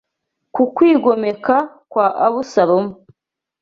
ku kwigomeka kwa Abusalomo.